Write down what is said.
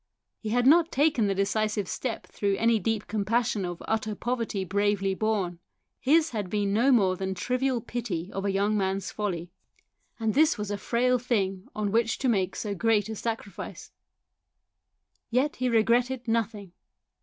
He had not taken the decisive step through any deep compassion of utter poverty bravely borne. His had been no more than trivial pity of a young man's folly ; and this was ai THE SOUL OF A POLICEMAN 193 frail thing on which to make so great a sacri fice. Yet he regretted nothing.